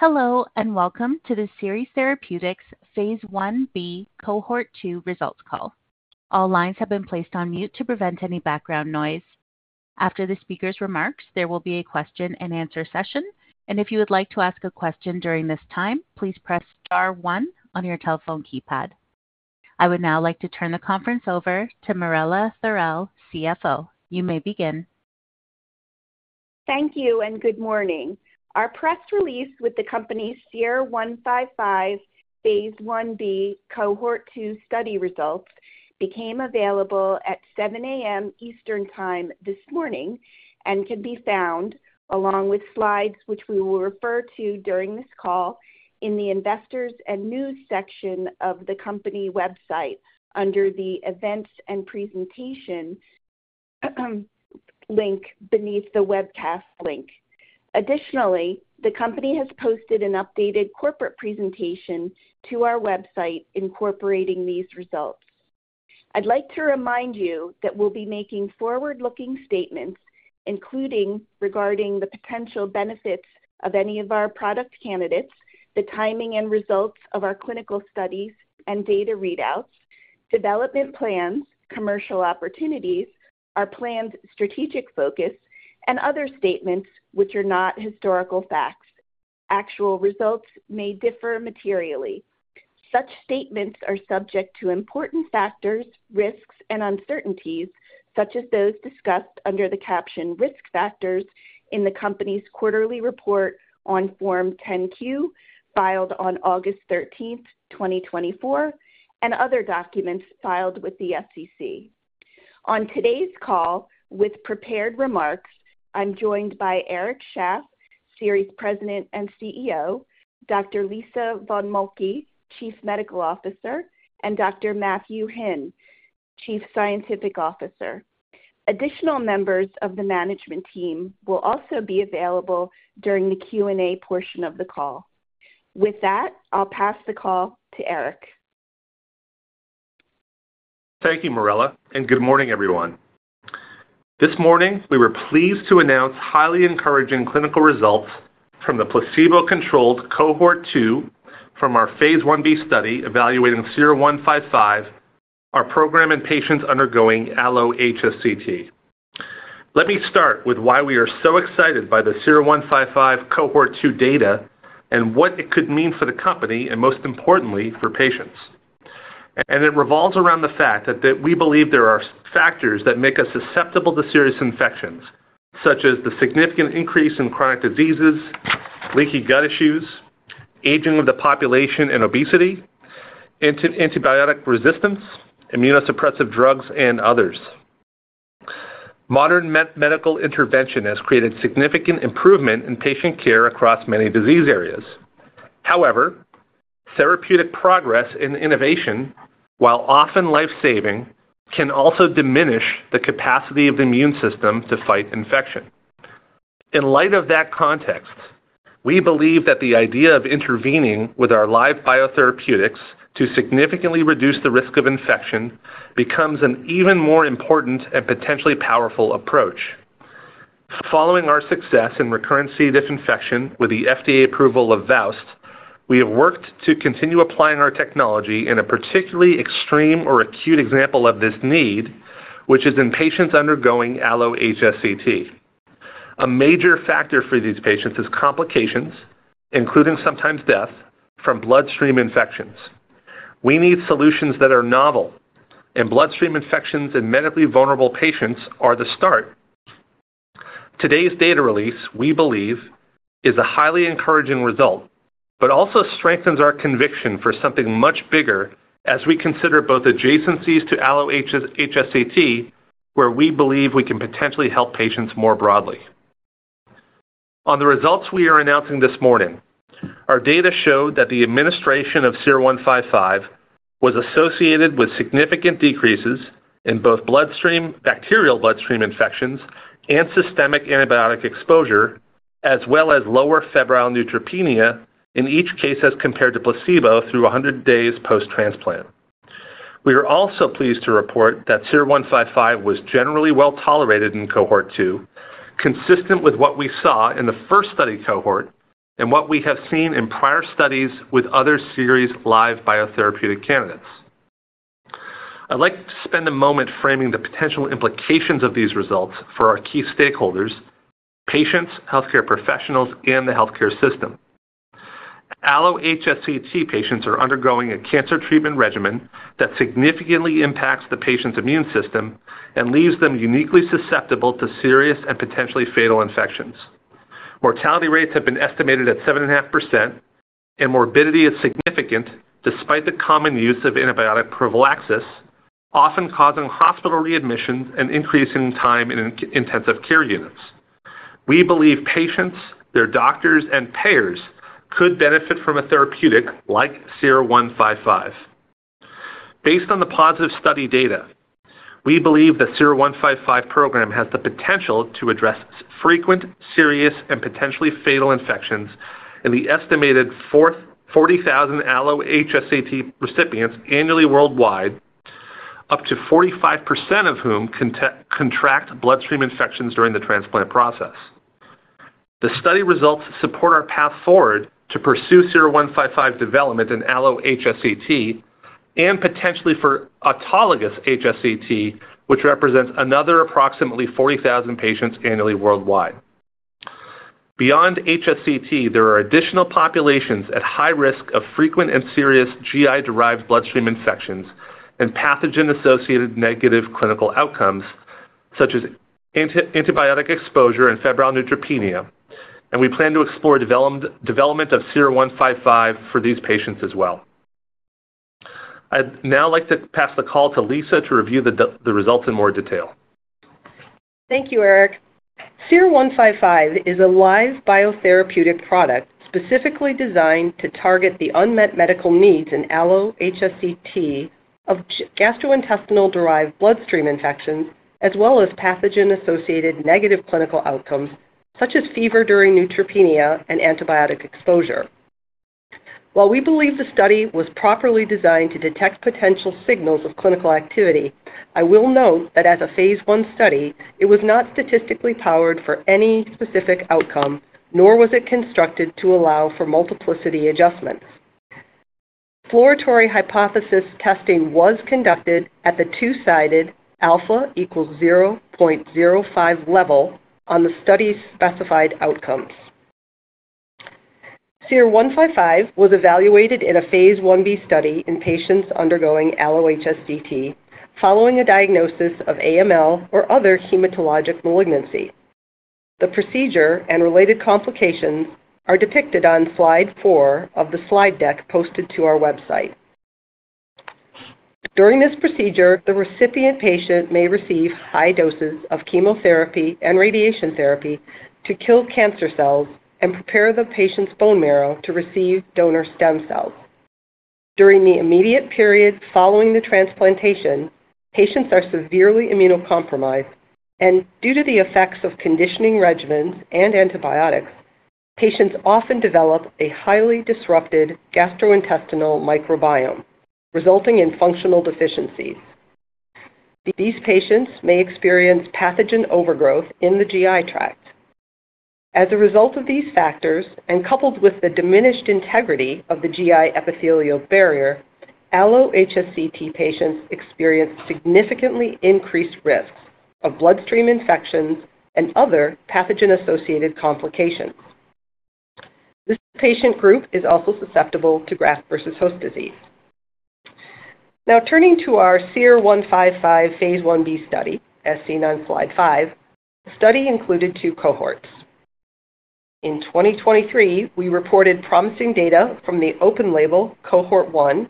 Hello, and welcome to the Seres Therapeutics phase I-B, cohort 2 results call. All lines have been placed on mute to prevent any background noise. After the speaker's remarks, there will be a question-and-answer session, and if you would like to ask a question during this time, please press star one on your telephone keypad. I would now like to turn the conference over to Marella Thorell, CFO. You may begin. Thank you and good morning. Our press release with the company's SER-155 phase I-B, cohort 2 study results became available at 7:00 A.M. Eastern Time this morning and can be found, along with slides, which we will refer to during this call, in the Investors and News section of the company website under the Events and Presentations link beneath the webcast link. Additionally, the company has posted an updated corporate presentation to our website incorporating these results. I'd like to remind you that we'll be making forward-looking statements, including regarding the potential benefits of any of our product candidates, the timing and results of our clinical studies and data readouts, development plans, commercial opportunities, our planned strategic focus, and other statements which are not historical facts. Actual results may differ materially. Such statements are subject to important factors, risks, and uncertainties, such as those discussed under the caption Risk Factors in the company's quarterly report on Form 10-Q, filed on August 13th, 2024, and other documents filed with the SEC. On today's call, with prepared remarks, I'm joined by Eric Shaff, Seres President and CEO, Dr. Lisa von Moltke, Chief Medical Officer, and Dr. Matthew Henn, Chief Scientific Officer. Additional members of the management team will also be available during the Q&A portion of the call. With that, I'll pass the call to Eric. Thank you, Marella, and good morning, everyone. This morning, we were pleased to announce highly encouraging clinical results from the placebo-controlled cohort 2 from our phase I-B study evaluating SER-155, our program in patients undergoing allo-HSCT. Let me start with why we are so excited by the SER-155 cohort 2 data and what it could mean for the company and, most importantly, for patients. It revolves around the fact that we believe there are factors that make us susceptible to serious infections, such as the significant increase in chronic diseases, leaky gut issues, aging of the population and obesity, antibiotic resistance, immunosuppressive drugs, and others. Modern medical intervention has created significant improvement in patient care across many disease areas. However, therapeutic progress in innovation, while often life-saving, can also diminish the capacity of the immune system to fight infection. In light of that context, we believe that the idea of intervening with our live biotherapeutics to significantly reduce the risk of infection becomes an even more important and potentially powerful approach. Following our success in recurrent C. diff infection with the FDA approval of VOWST, we have worked to continue applying our technology in a particularly extreme or acute example of this need, which is in patients undergoing allo-HSCT. A major factor for these patients is complications, including sometimes death, from bloodstream infections. We need solutions that are novel, and bloodstream infections in medically vulnerable patients are the start. Today's data release, we believe, is a highly encouraging result, but also strengthens our conviction for something much bigger as we consider both adjacencies to allo-HSCT, where we believe we can potentially help patients more broadly. On the results we are announcing this morning, our data showed that the administration of SER-155 was associated with significant decreases in both bacterial bloodstream infections and systemic antibiotic exposure, as well as lower febrile neutropenia in each case as compared to placebo through 100 days post-transplant. We are also pleased to report that SER-155 was generally well-tolerated in cohort 2, consistent with what we saw in the first study cohort and what we have seen in prior studies with other Seres live biotherapeutic candidates. I'd like to spend a moment framing the potential implications of these results for our key stakeholders, patients, healthcare professionals, and the healthcare system. Allo-HSCT patients are undergoing a cancer treatment regimen that significantly impacts the patient's immune system and leaves them uniquely susceptible to serious and potentially fatal infections. Mortality rates have been estimated at 7.5%, and morbidity is significant despite the common use of antibiotic prophylaxis, often causing hospital readmissions and increasing time in intensive care units. We believe patients, their doctors, and payers could benefit from a therapeutic like SER-155. Based on the positive study data, we believe the SER-155 program has the potential to address frequent, serious, and potentially fatal infections in the estimated 44,000 allo-HSCT recipients annually worldwide, up to 45% of whom contract bloodstream infections during the transplant process. The study results support our path forward to pursue SER-155 development in allo-HSCT and potentially for autologous HSCT, which represents another approximately 40,000 patients annually worldwide. Beyond HSCT, there are additional populations at high risk of frequent and serious GI-derived bloodstream infections and pathogen-associated negative clinical outcomes, such as antibiotic exposure and febrile neutropenia, and we plan to explore development of SER-155 for these patients as well. I'd now like to pass the call to Lisa to review the results in more detail. Thank you, Eric. SER-155 is a live biotherapeutic product specifically designed to target the unmet medical needs in allo-HSCT of gastrointestinal-derived bloodstream infections, as well as pathogen-associated negative clinical outcomes such as fever during neutropenia and antibiotic exposure. While we believe the study was properly designed to detect potential signals of clinical activity, I will note that as a phase I study, it was not statistically powered for any specific outcome, nor was it constructed to allow for multiplicity adjustments. Exploratory hypothesis testing was conducted at the two-sided alpha equals 0.05 level on the study's specified outcomes. SER-155 was evaluated in a phase I-B study in patients undergoing allo-HSCT following a diagnosis of AML or other hematologic malignancy. The procedure and related complications are depicted on slide four of the slide deck posted to our website. During this procedure, the recipient patient may receive high doses of chemotherapy and radiation therapy to kill cancer cells and prepare the patient's bone marrow to receive donor stem cells. During the immediate period following the transplantation, patients are severely immunocompromised, and due to the effects of conditioning regimens and antibiotics, patients often develop a highly disrupted gastrointestinal microbiome, resulting in functional deficiencies. These patients may experience pathogen overgrowth in the GI tract. As a result of these factors, and coupled with the diminished integrity of the GI epithelial barrier, allo-HSCT patients experience significantly increased risks of bloodstream infections and other pathogen-associated complications. This patient group is also susceptible to graft-versus-host disease. Now, turning to our SER-155 phase I-B study, as seen on slide five, the study included two cohorts. In 2023, we reported promising data from the open label cohort 1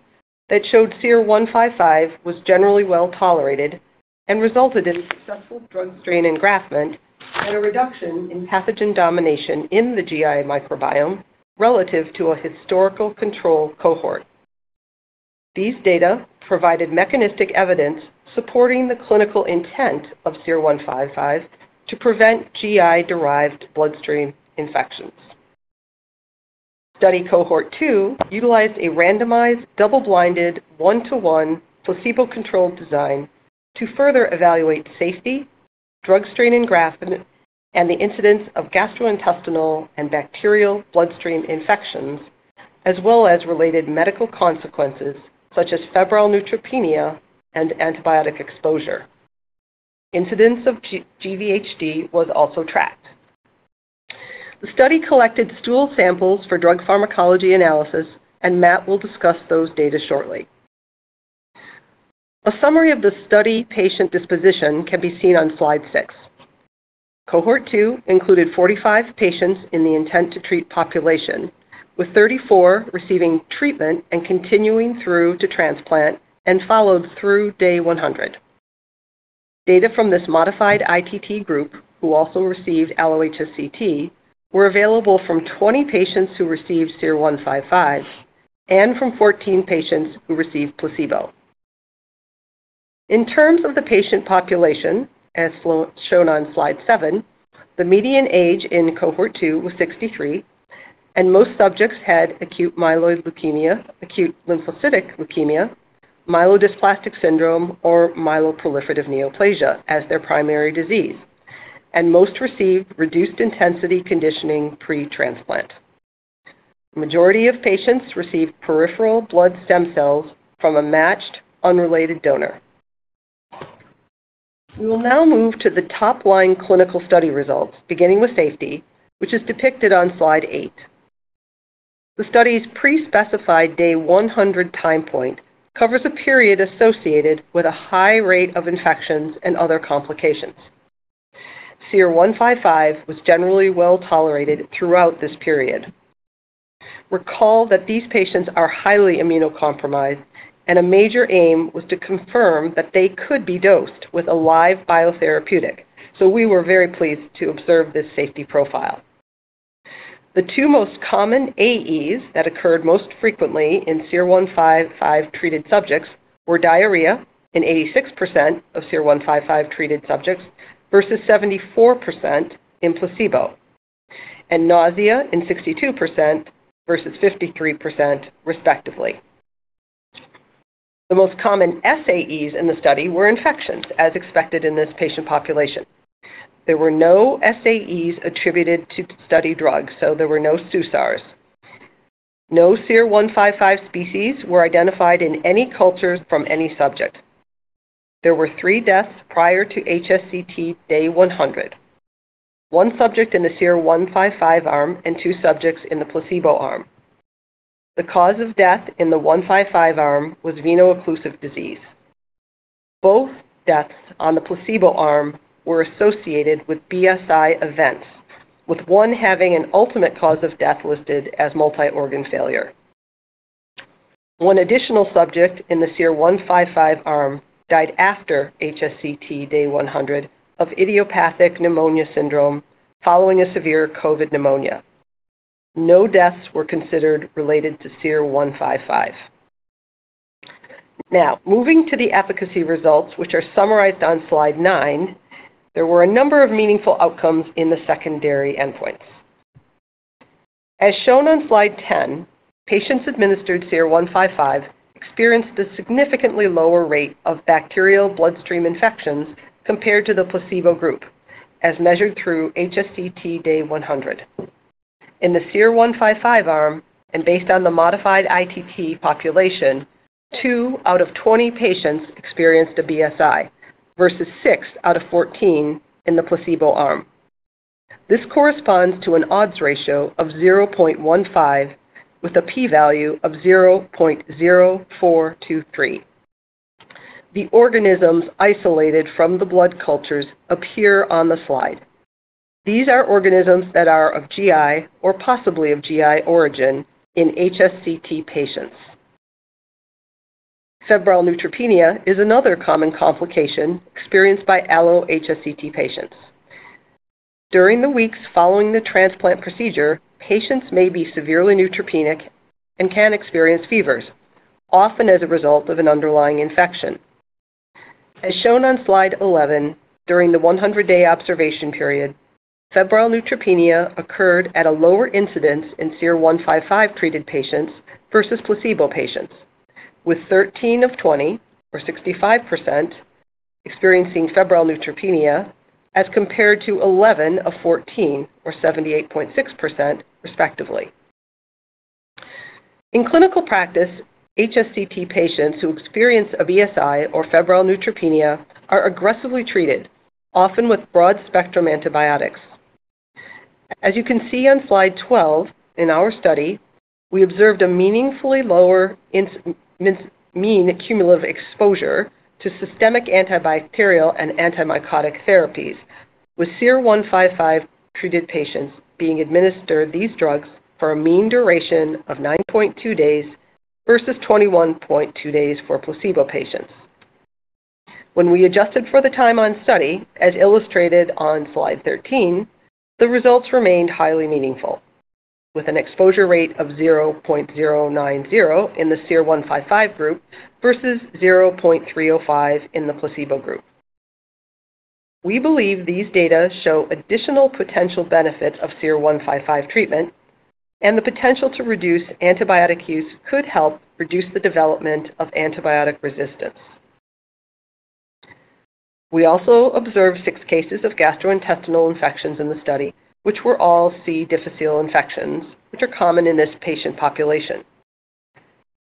that showed SER-155 was generally well-tolerated and resulted in successful drug strain engraftment and a reduction in pathogen domination in the GI microbiome relative to a historical control cohort. These data provided mechanistic evidence supporting the clinical intent of SER-155 to prevent GI-derived bloodstream infections. Study cohort 2 utilized a randomized, double-blinded, one-to-one, placebo-controlled design to further evaluate safety, drug strain engraftment, and the incidence of gastrointestinal and bacterial bloodstream infections, as well as related medical consequences such as febrile neutropenia and antibiotic exposure. Incidence of GVHD was also tracked. The study collected stool samples for drug pharmacology analysis, and Matt will discuss those data shortly. A summary of the study patient disposition can be seen on slide six. Cohort 2 included 45 patients in the intent-to-treat population, with 34 receiving treatment and continuing through to transplant and followed through day 100. Data from this modified ITT group, who also received allo-HSCT, were available from 20 patients who received SER-155 and from 14 patients who received placebo. In terms of the patient population, as shown on slide seven, the median age in cohort 2 was 63, and most subjects had acute myeloid leukemia, acute lymphocytic leukemia, myelodysplastic syndrome, or myeloproliferative neoplasia as their primary disease, and most received reduced intensity conditioning pre-transplant. Majority of patients received peripheral blood stem cells from a matched, unrelated donor. We will now move to the top-line clinical study results, beginning with safety, which is depicted on slide eight. The study's pre-specified day 100 time point covers a period associated with a high rate of infections and other complications. SER-155 was generally well-tolerated throughout this period. Recall that these patients are highly immunocompromised, and a major aim was to confirm that they could be dosed with a live biotherapeutic, so we were very pleased to observe this safety profile. The two most common AEs that occurred most frequently in SER-155-treated subjects were diarrhea in 86% of SER-155-treated subjects versus 74% in placebo, and nausea in 62% versus 53%, respectively. The most common SAEs in the study were infections, as expected in this patient population. There were no SAEs attributed to study drugs, so there were no SUSARs. No SER-155 species were identified in any cultures from any subject. There were 3 deaths prior to HSCT day 100, one subject in the SER-155 arm and two subjects in the placebo arm. The cause of death in the 155 arm was veno-occlusive disease. Both deaths on the placebo arm were associated with BSI events, with one having an ultimate cause of death listed as multi-organ failure. One additional subject in the SER-155 arm died after HSCT day 100 of idiopathic pneumonia syndrome following a severe COVID pneumonia. No deaths were considered related to SER-155. Now, moving to the efficacy results, which are summarized on slide nine, there were a number of meaningful outcomes in the secondary endpoints. As shown on slide 10, patients administered SER-155 experienced a significantly lower rate of bacterial bloodstream infections compared to the placebo group, as measured through HSCT day 100. In the SER-155 arm, and based on the modified ITT population, two out of 20 patients experienced a BSI versus six out of 14 in the placebo arm. This corresponds to an odds ratio of 0.15, with a p-value of 0.0423. The organisms isolated from the blood cultures appear on the slide. These are organisms that are of GI or possibly of GI origin in HSCT patients. Febrile neutropenia is another common complication experienced by allo-HSCT patients. During the weeks following the transplant procedure, patients may be severely neutropenic and can experience fevers, often as a result of an underlying infection. As shown on slide 11, during the 100-day observation period, febrile neutropenia occurred at a lower incidence in SER-155-treated patients versus placebo patients, with 13 of 20, or 65%, experiencing febrile neutropenia, as compared to 11 of 14, or 78.6%, respectively. In clinical practice, HSCT patients who experience a BSI or febrile neutropenia are aggressively treated, often with broad-spectrum antibiotics. As you can see on slide 12, in our study, we observed a meaningfully lower mean cumulative exposure to systemic antibacterial and antimycotic therapies, with SER-155-treated patients being administered these drugs for a mean duration of 9.2 days versus 21.2 days for placebo patients. When we adjusted for the time on study, as illustrated on slide 13, the results remained highly meaningful, with an exposure rate of 0.090 in the SER-155 group versus 0.305 in the placebo group. We believe these data show additional potential benefits of SER-155 treatment, and the potential to reduce antibiotic use could help reduce the development of antibiotic resistance. We also observed six cases of gastrointestinal infections in the study, which were all C. difficile infections, which are common in this patient population.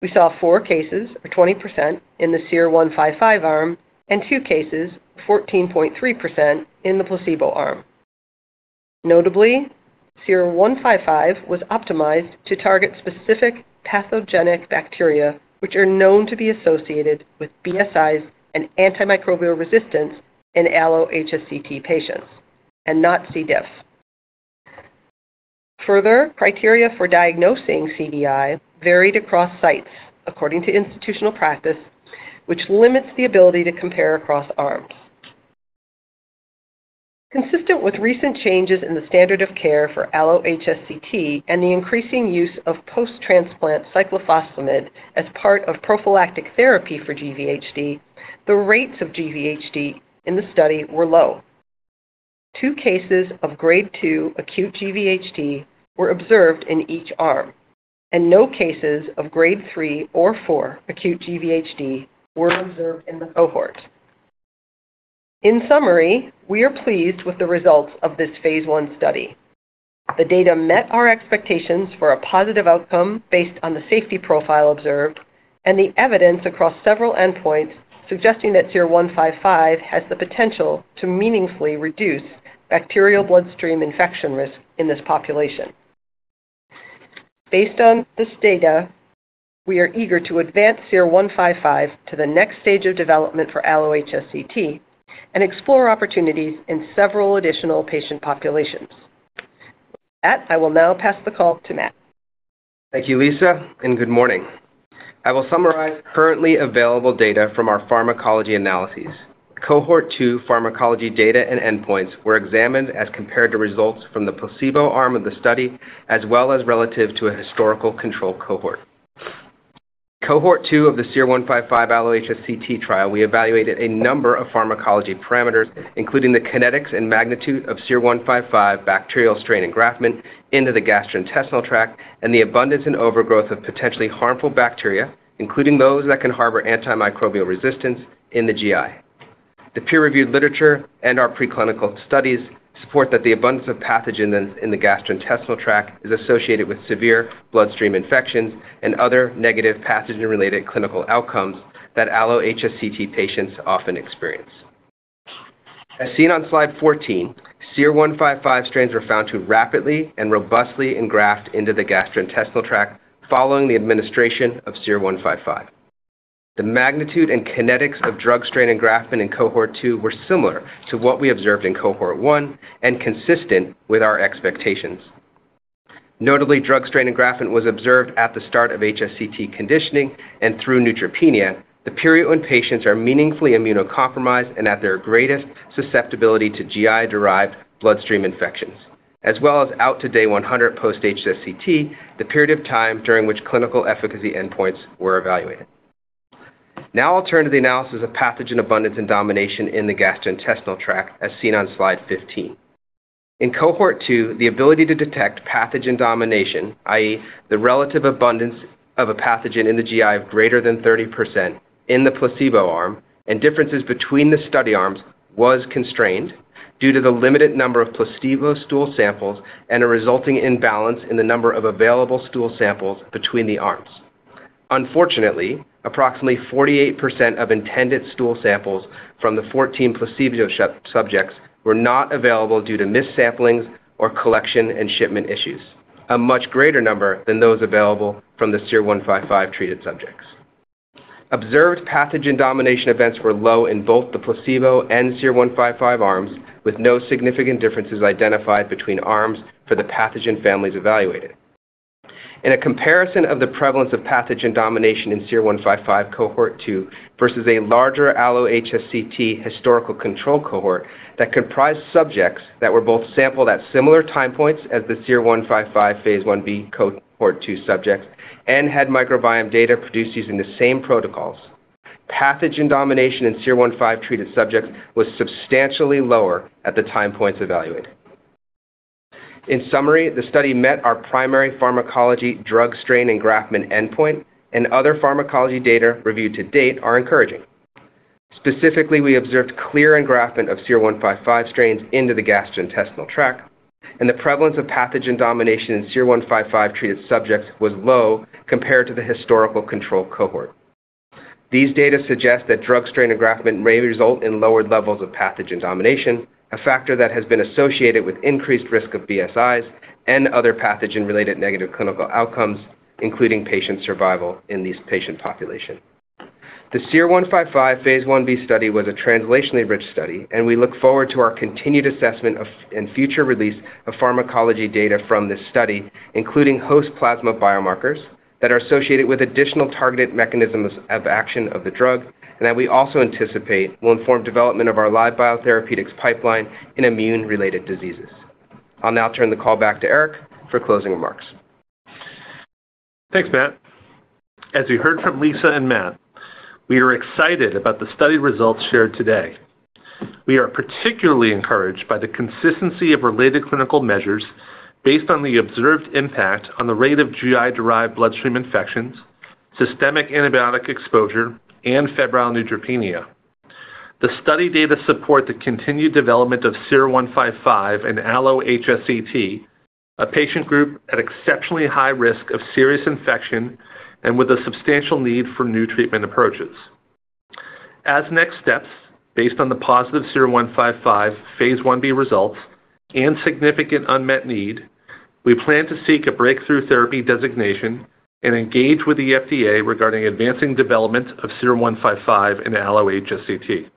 We saw four cases, or 20%, in the SER-155 arm and two cases, 14.3%, in the placebo arm. Notably, SER-155 was optimized to target specific pathogenic bacteria, which are known to be associated with BSIs and antimicrobial resistance in allo-HSCT patients and not C. diff. Further, criteria for diagnosing CDI varied across sites according to institutional practice, which limits the ability to compare across arms. Consistent with recent changes in the standard of care for allo-HSCT and the increasing use of post-transplant cyclophosphamide as part of prophylactic therapy for GVHD, the rates of GVHD in the study were low. Two cases of grade two acute GVHD were observed in each arm, and no cases of grade three or four acute GVHD were observed in the cohort. In summary, we are pleased with the results of this phase I study. The data met our expectations for a positive outcome based on the safety profile observed and the evidence across several endpoints, suggesting that SER-155 has the potential to meaningfully reduce bacterial bloodstream infection risk in this population. Based on this data, we are eager to advance SER-155 to the next stage of development for allo-HSCT and explore opportunities in several additional patient populations. With that, I will now pass the call to Matt. Thank you, Lisa, and good morning. I will summarize currently available data from our pharmacology analyses. Cohort 2 pharmacology data and endpoints were examined as compared to results from the placebo arm of the study, as well as relative to a historical control cohort. Cohort 2 of the SER-155 allo-HSCT trial, we evaluated a number of pharmacology parameters, including the kinetics and magnitude of SER-155 bacterial strain engraftment into the gastrointestinal tract and the abundance and overgrowth of potentially harmful bacteria, including those that can harbor antimicrobial resistance in the GI. The peer-reviewed literature and our preclinical studies support that the abundance of pathogens in the gastrointestinal tract is associated with severe bloodstream infections and other negative pathogen-related clinical outcomes that allo-HSCT patients often experience. As seen on slide 14, SER-155 strains were found to rapidly and robustly engraft into the gastrointestinal tract following the administration of SER-155. The magnitude and kinetics of drug strain engraftment in cohort 2 were similar to what we observed in cohort 1 and consistent with our expectations. Notably, drug strain engraftment was observed at the start of HSCT conditioning and through neutropenia, the period when patients are meaningfully immunocompromised and at their greatest susceptibility to GI-derived bloodstream infections, as well as out to day 100 post-HSCT, the period of time during which clinical efficacy endpoints were evaluated. Now I'll turn to the analysis of pathogen abundance and domination in the gastrointestinal tract, as seen on slide 15. In cohort 2, the ability to detect pathogen domination, i.e., the relative abundance of a pathogen in the GI of greater than 30% in the placebo arm, and differences between the study arms, was constrained due to the limited number of placebo stool samples and a resulting imbalance in the number of available stool samples between the arms. Unfortunately, approximately 48% of intended stool samples from the 14 placebo subjects were not available due to missed samplings or collection and shipment issues, a much greater number than those available from the SER-155-treated subjects. Observed pathogen domination events were low in both the placebo and SER-155 arms, with no significant differences identified between arms for the pathogen families evaluated. In a comparison of the prevalence of pathogen domination in SER-155 cohort 2 versus a larger allo-HSCT historical control cohort that comprised subjects that were both sampled at similar time points as the SER-155 phase I-B cohort 2 subjects and had microbiome data produced using the same protocols, pathogen domination in SER-155-treated subjects was substantially lower at the time points evaluated. In summary, the study met our primary pharmacology drug strain engraftment endpoint, and other pharmacology data reviewed to date are encouraging. Specifically, we observed clear engraftment of SER-155 strains into the gastrointestinal tract, and the prevalence of pathogen domination in SER-155-treated subjects was low compared to the historical control cohort. These data suggest that drug strain engraftment may result in lower levels of pathogen domination, a factor that has been associated with increased risk of BSIs and other pathogen-related negative clinical outcomes, including patient survival in this patient population. The SER-155 phase I-B study was a translationally rich study, and we look forward to our continued assessment of and future release of pharmacology data from this study, including host plasma biomarkers that are associated with additional targeted mechanisms of action of the drug and that we also anticipate will inform development of our live biotherapeutics pipeline in immune-related diseases. I'll now turn the call back to Eric for closing remarks. Thanks, Matt. As you heard from Lisa and Matt, we are excited about the study results shared today. We are particularly encouraged by the consistency of related clinical measures based on the observed impact on the rate of GI-derived bloodstream infections, systemic antibiotic exposure, and febrile neutropenia. The study data support the continued development of SER-155 and allo-HSCT, a patient group at exceptionally high risk of serious infection and with a substantial need for new treatment approaches. As next steps, based on the positive SER-155 phase I-B results and significant unmet need, we plan to seek a breakthrough therapy designation and engage with the FDA regarding advancing development of SER-155 and allo-HSCT.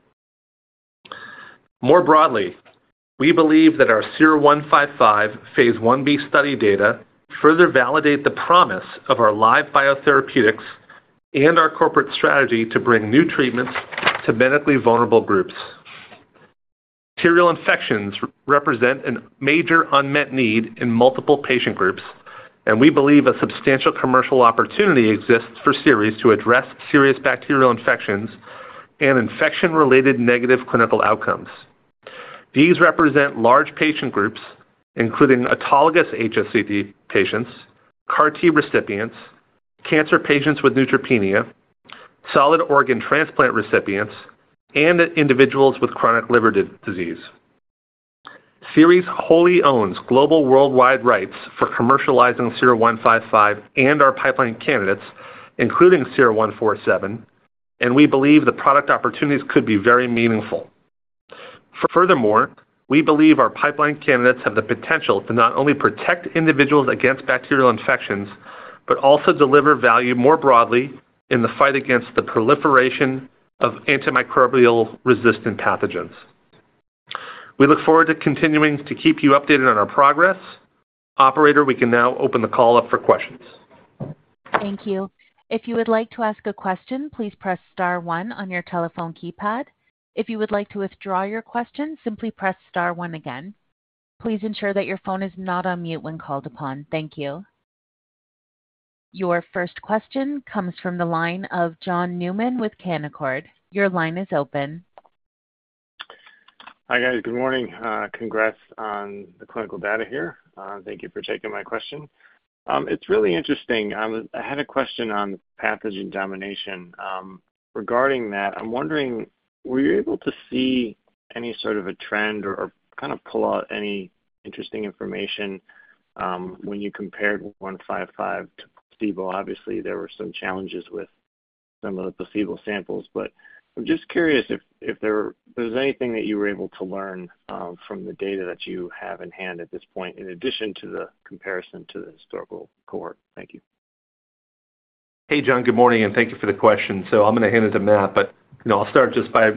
More broadly, we believe that our SER-155 Phase I-B study data further validate the promise of our live biotherapeutics and our corporate strategy to bring new treatments to medically vulnerable groups. Bacterial infections represent a major unmet need in multiple patient groups, and we believe a substantial commercial opportunity exists for Seres to address serious bacterial infections and infection-related negative clinical outcomes. These represent large patient groups, including autologous HSCT patients, CAR-T recipients, cancer patients with neutropenia, solid organ transplant recipients, and individuals with chronic liver disease. Seres wholly owns global worldwide rights for commercializing SER-155 and our pipeline candidates, including SER-147, and we believe the product opportunities could be very meaningful. Furthermore, we believe our pipeline candidates have the potential to not only protect individuals against bacterial infections, but also deliver value more broadly in the fight against the proliferation of antimicrobial-resistant pathogens. We look forward to continuing to keep you updated on our progress. Operator, we can now open the call up for questions. Thank you. If you would like to ask a question, please press star one on your telephone keypad. If you would like to withdraw your question, simply press star one again. Please ensure that your phone is not on mute when called upon. Thank you. Your first question comes from the line of John Newman with Canaccord. Your line is open. Hi, guys. Good morning. Congrats on the clinical data here. Thank you for taking my question. It's really interesting. I had a question on pathogen domination. Regarding that, I'm wondering, were you able to see any sort of a trend or kind of pull out any interesting information, when you compared SER-155 to placebo? Obviously, there were some challenges with some of the placebo samples, but I'm just curious if there's anything that you were able to learn, from the data that you have in hand at this point, in addition to the comparison to the historical cohort. Thank you. Hey, John. Good morning, and thank you for the question. So I'm gonna hand it to Matt, but, you know, I'll start just by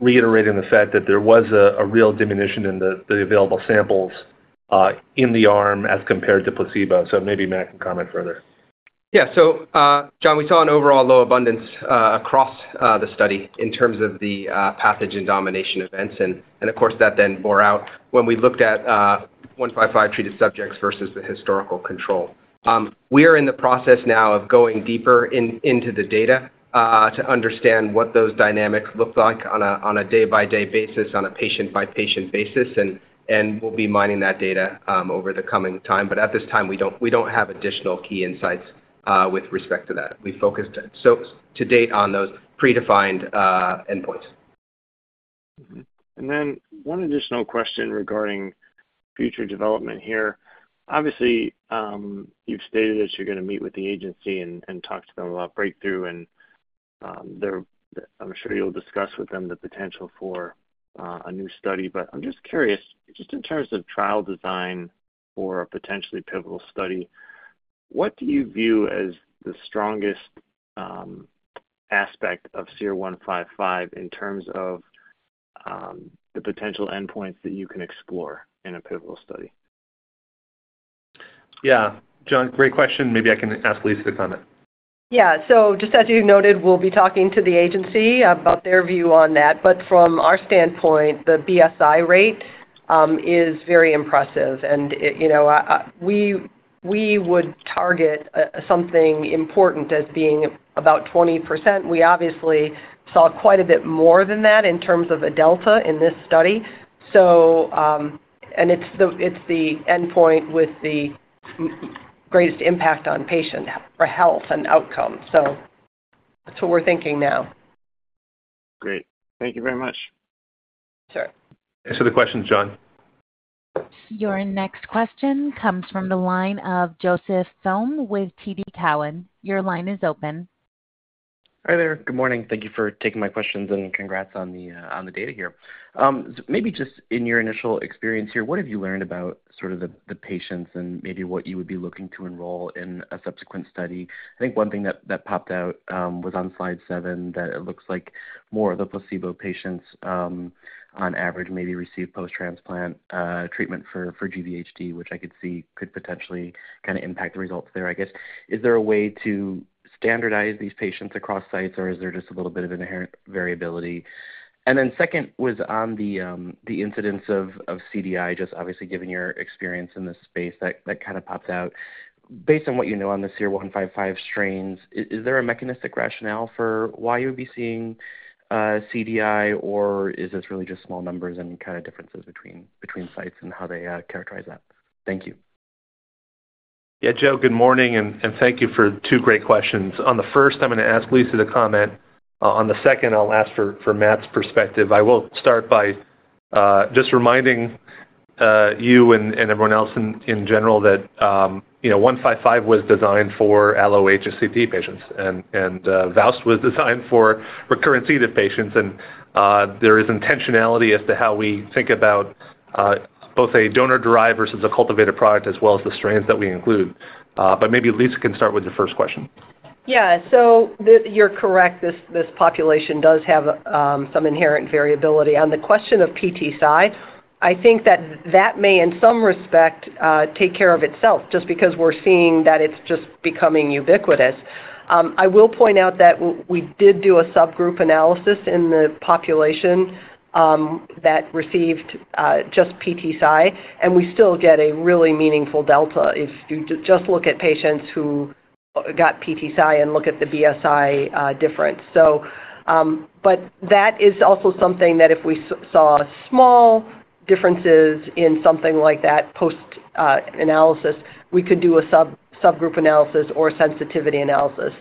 reiterating the fact that there was a real diminution in the available samples in the arm as compared to placebo. So maybe Matt can comment further. Yeah. So, John, we saw an overall low abundance across the study in terms of the pathogen domination events, and of course, that then bore out when we looked at SER-155 treated subjects versus the historical control. We are in the process now of going deeper into the data to understand what those dynamics look like on a day-by-day basis, on a patient-by-patient basis, and we'll be mining that data over the coming time. But at this time, we don't have additional key insights with respect to that. We focused so to date on those predefined endpoints. Mm-hmm. And then one additional question regarding future development here. Obviously, you've stated that you're gonna meet with the agency and talk to them about breakthrough, and I'm sure you'll discuss with them the potential for a new study. But I'm just curious, just in terms of trial design for a potentially pivotal study, what do you view as the strongest aspect of SER-155 in terms of the potential endpoints that you can explore in a pivotal study? Yeah. John, great question. Maybe I can ask Lisa to comment. Yeah. So just as you noted, we'll be talking to the agency about their view on that. But from our standpoint, the BSI rate is very impressive. And it, you know, we would target something important as being about 20%. We obviously saw quite a bit more than that in terms of the delta in this study. And it's the endpoint with the greatest impact on patient for health and outcome. So that's what we're thinking now. Great. Thank you very much. Sure. Thanks for the question, John. Your next question comes from the line of Joseph Thome with TD Cowen. Your line is open. Hi there. Good morning. Thank you for taking my questions, and congrats on the, on the data here. Maybe just in your initial experience here, what have you learned about sort of the patients and maybe what you would be looking to enroll in a subsequent study? I think one thing that popped out was on slide seven, that it looks like more of the placebo patients, on average, maybe receive post-transplant treatment for GVHD, which I could see could potentially kinda impact the results there. I guess, is there a way to standardize these patients across sites, or is there just a little bit of an inherent variability? And then second was on the incidence of CDI, just obviously given your experience in this space, that kinda popped out. Based on what you know on the SER-155 strains, is there a mechanistic rationale for why you would be seeing, CDI, or is this really just small numbers and kinda differences between sites and how they characterize that? Thank you. Yeah. Joe, good morning, and thank you for two great questions. On the first, I'm gonna ask Lisa to comment. On the second, I'll ask for Matt's perspective. I will start by just reminding you and everyone else in general that, you know, SER-155 was designed for allo-HSCT patients, and VOWST was designed for recurrent C. diff patients. And there is intentionality as to how we think about both a donor-derived versus a cultivated product, as well as the strains that we include. But maybe Lisa can start with the first question. Yeah. You're correct, this population does have some inherent variability. On the question of PTCy, I think that that may, in some respect, take care of itself just because we're seeing that it's just becoming ubiquitous. I will point out that we did do a subgroup analysis in the population that received just PTCy, and we still get a really meaningful delta if you just look at patients who got PTCy and look at the BSI difference. So, but that is also something that if we saw small differences in something like that post analysis, we could do a subgroup analysis or sensitivity analysis.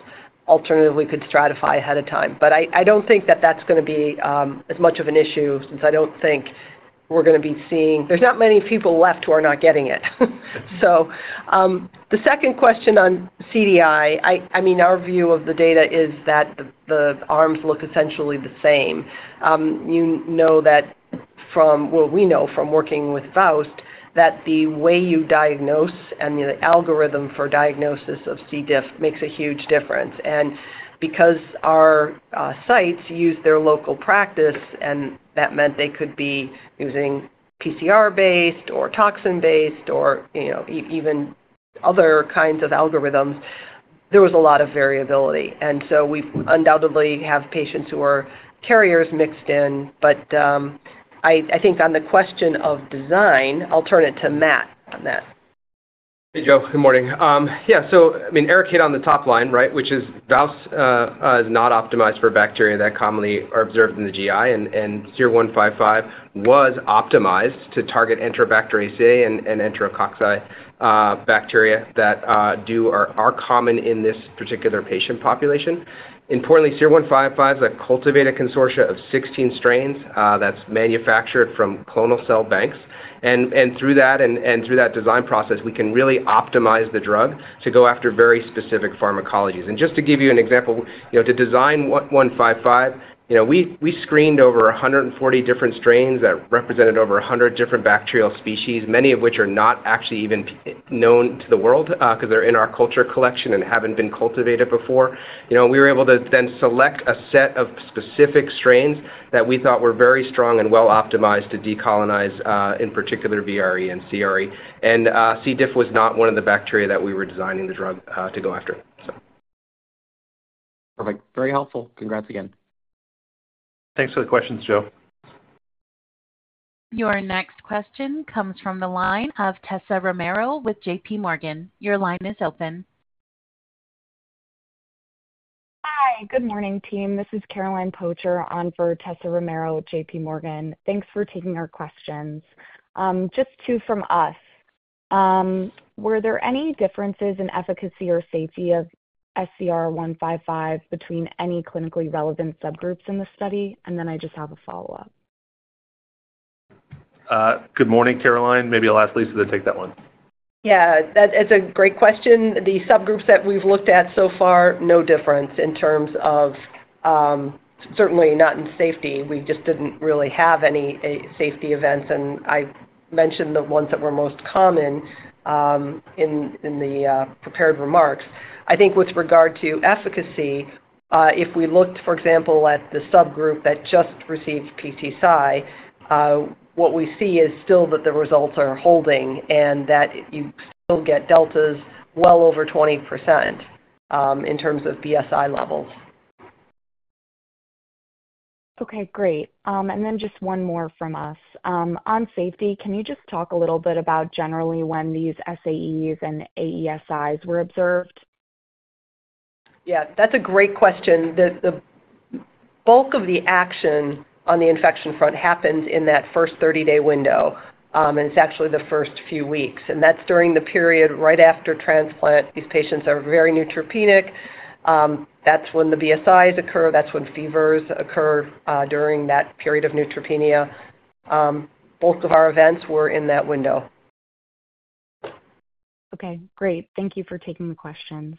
Alternatively, we could stratify ahead of time. But I don't think that that's gonna be as much of an issue since I don't think we're gonna be seeing. There's not many people left who are not getting it. So, the second question on CDI, I mean, our view of the data is that the arms look essentially the same. You know that from. Well, we know from working with VOWST, that the way you diagnose and the algorithm for diagnosis of C. diff makes a huge difference. And because our sites use their local practice, and that meant they could be using PCR-based or toxin-based or, you know, even other kinds of algorithms. There was a lot of variability, and so we undoubtedly have patients who are carriers mixed in. But, I think on the question of design, I'll turn it to Matt on that. Hey, Joe. Good morning. Yeah, so I mean, Eric hit on the top line, right? Which is VOWST is not optimized for bacteria that commonly are observed in the GI, and SER-155 was optimized to target Enterobacteriaceae and enterococci, bacteria that do or are common in this particular patient population. Importantly, SER-155 is a cultivated consortium of 16 strains that's manufactured from clonal cell banks. And through that design process, we can really optimize the drug to go after very specific pharmacologies. And just to give you an example, you know, to design SER-155, you know, we screened over a hundred and forty different strains that represented over a hundred different bacterial species, many of which are not actually even known to the world, 'cause they're in our culture collection and haven't been cultivated before. You know, we were able to then select a set of specific strains that we thought were very strong and well optimized to decolonize, in particular VRE and CRE and, C. diff was not one of the bacteria that we were designing the drug to go after, so. Perfect. Very helpful. Congrats again. Thanks for the questions, Joe. Your next question comes from the line of Tessa Romero with JPMorgan. Your line is open. Hi. Good morning, team. This is Caroline Boucher on for Tessa Romero with J.P. Morgan. Thanks for taking our questions. Just two from us. Were there any differences in efficacy or safety of SER-155 between any clinically relevant subgroups in the study? And then I just have a follow-up. Good morning, Caroline. Maybe I'll ask Lisa to take that one. Yeah, it's a great question. The subgroups that we've looked at so far, no difference in terms of, certainly not in safety. We just didn't really have any, safety events, and I mentioned the ones that were most common, in the prepared remarks. I think with regard to efficacy, if we looked, for example, at the subgroup that just received PTCy, what we see is still that the results are holding and that you still get deltas well over 20%, in terms of BSI levels. Okay, great. And then just one more from us. On safety, can you just talk a little bit about generally when these SAEs and AESIs were observed? Yeah, that's a great question. The bulk of the action on the infection front happens in that first thirty-day window, and it's actually the first few weeks, and that's during the period right after transplant. These patients are very neutropenic. That's when the BSIs occur, that's when fevers occur, during that period of neutropenia. Both of our events were in that window. Okay, great. Thank you for taking the questions.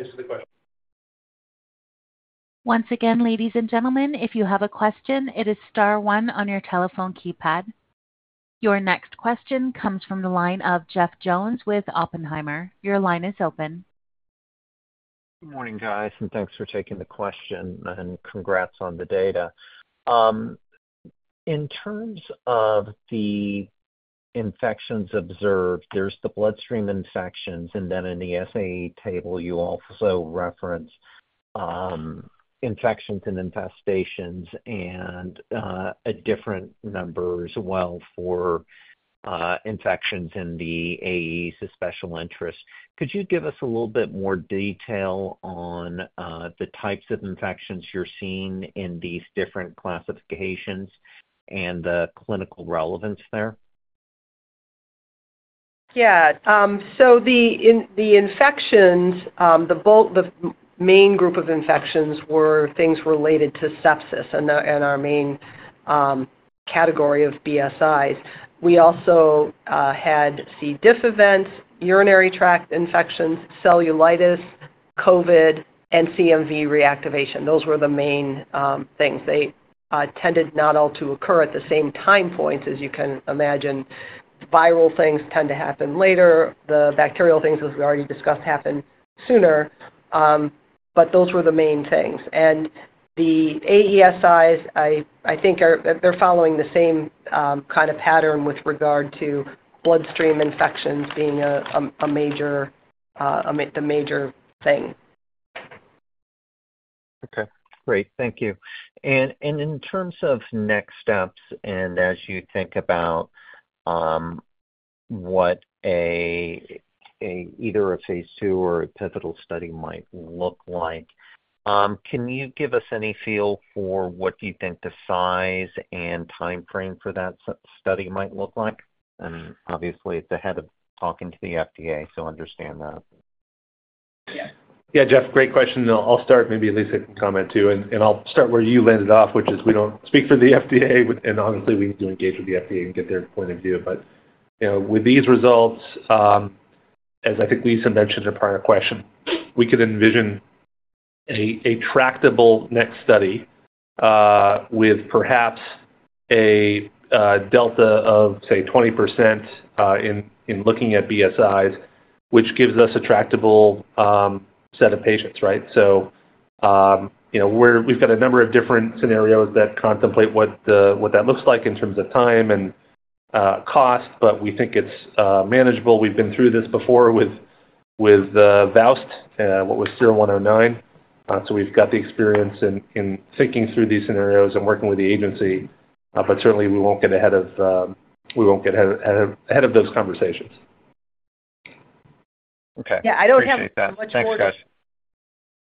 Sure. Thanks for the question. Once again, ladies and gentlemen, if you have a question, it is star one on your telephone keypad. Your next question comes from the line of Jeff Jones with Oppenheimer. Your line is open. Good morning, guys, and thanks for taking the question, and congrats on the data. In terms of the infections observed, there's the bloodstream infections, and then in the SAE table, you also reference, infections and infestations and, a different number as well for, infections in the AEs of special interest. Could you give us a little bit more detail on the types of infections you're seeing in these different classifications and the clinical relevance there? Yeah, so the infections, the bulk. The main group of infections were things related to sepsis and our main category of BSIs. We also had C. diff events, urinary tract infections, cellulitis, COVID, and CMV reactivation. Those were the main things. They tended not all to occur at the same time points, as you can imagine. Viral things tend to happen later. The bacterial things, as we already discussed, happen sooner. But those were the main things. The AESIs, I think, are following the same kind of pattern with regard to bloodstream infections being a major, the major thing. Okay, great. Thank you. And in terms of next steps, and as you think about what either a phase two or a pivotal study might look like, can you give us any feel for what you think the size and timeframe for that study might look like? And obviously, it's ahead of talking to the FDA, so understand that. Yeah, Jeff, great question. I'll start, maybe Lisa can comment too, and I'll start where you left off, which is we don't speak for the FDA, and obviously, we need to engage with the FDA and get their point of view. But, you know, with these results, as I think Lisa mentioned in a prior question, we could envision a tractable next study, with perhaps a delta of, say, 20%, in looking at BSIs, which gives us a tractable set of patients, right? So, you know, we've got a number of different scenarios that contemplate what that looks like in terms of time and cost, but we think it's manageable. We've been through this before with VOWST, what was SER-109. So we've got the experience in thinking through these scenarios and working with the agency. But certainly, we won't get ahead of those conversations. Okay. Yeah, I don't have much more.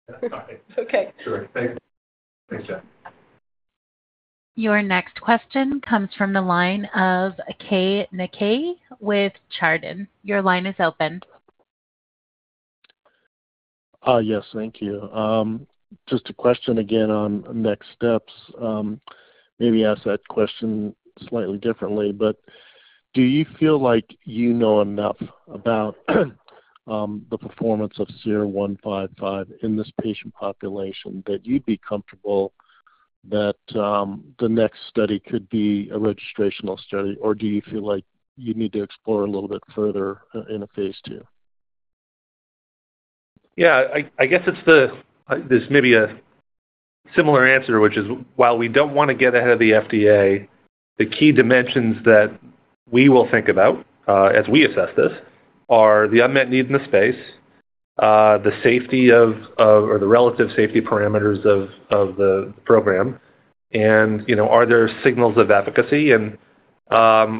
Appreciate that. Thanks, guys. Yeah, bye. Okay. Sure. Thank you. Thanks. Your next question comes from the line of Keay Nakae with Chardan. Your line is open. Yes, thank you. Just a question again on next steps. Maybe ask that question slightly differently, but do you feel like you know enough about the performance of SER-155 in this patient population that you'd be comfortable that the next study could be a registrational study? Or do you feel like you need to explore a little bit further in a phase II? Yeah, I guess it's the. This may be a similar answer, which is, while we don't wanna get ahead of the FDA, the key dimensions that we will think about, as we assess this, are the unmet need in the space, the safety of, or the relative safety parameters of, the program, and, you know, are there signals of efficacy? And,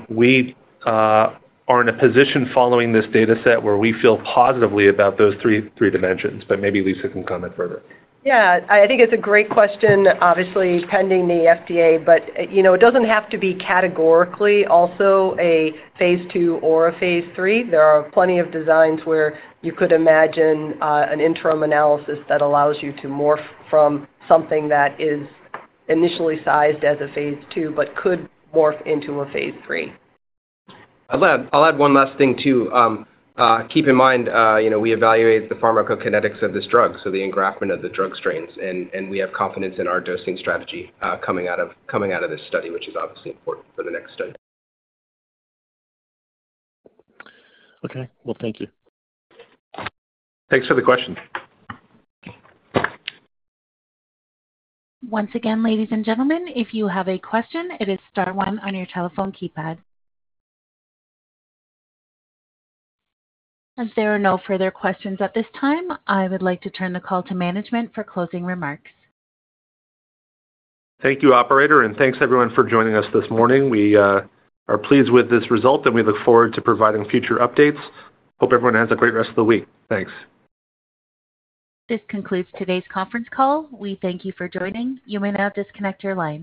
we are in a position following this data set where we feel positively about those three dimensions, but maybe Lisa can comment further. Yeah. I think it's a great question, obviously, pending the FDA, but, you know, it doesn't have to be categorically also a phase II or a phase III. There are plenty of designs where you could imagine an interim analysis that allows you to morph from something that is initially sized as a phase two but could morph into a phase three. I'll add one last thing too. Keep in mind, you know, we evaluate the pharmacokinetics of this drug, so the engraftment of the drug strains, and we have confidence in our dosing strategy, coming out of this study, which is obviously important for the next study. Okay. Well, thank you. Thanks for the question. Once again, ladies and gentlemen, if you have a question, it is star one on your telephone keypad. As there are no further questions at this time, I would like to turn the call to management for closing remarks. Thank you, operator, and thanks everyone for joining us this morning. We are pleased with this result, and we look forward to providing future updates. Hope everyone has a great rest of the week. Thanks. This concludes today's conference call. We thank you for joining. You may now disconnect your lines.